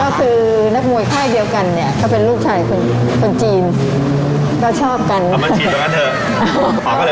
ก็คือนักมวยค่ายเดียวกันเนี้ยก็เป็นลูกชายคนคนจีนก็ชอบกันเอามันจีนแล้วกันเถอะเอา